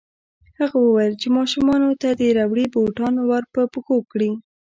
هغه وویل چې ماشومانو ته دې ربړي بوټان ورپه پښو کړي